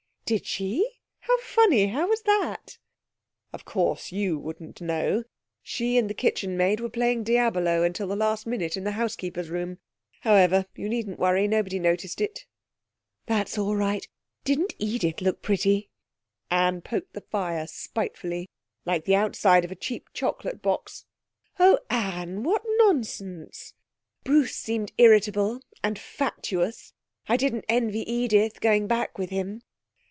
'Did she? How funny! How was that?' 'Of course, you wouldn't know. She and the kitchenmaid were playing Diabolo till the last minute in the housekeeper's room. However, you needn't worry; nobody noticed it.' 'That's all right. Didn't Edith look pretty?' Anne poked the fire spitefully. 'Like the outside of a cheap chocolate box.' 'Oh, Anne, what nonsense! Bruce seemed irritable, and fatuous. I didn't envy Edith going back with him.'